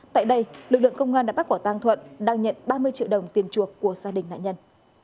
tại đây lực lượng công an đã bắt quả tang thuận đang nhận ba mươi triệu đồng tiền chuộc của gia đình nạn nhân